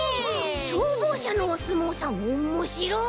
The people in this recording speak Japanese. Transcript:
しょうぼうしゃのおすもうさんおもしろい！